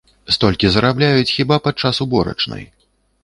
Столькі зарабляюць хіба падчас уборачнай.